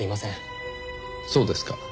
そうですか。